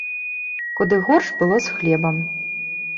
Куды горш было з хлебам.